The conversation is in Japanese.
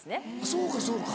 そうかそうか。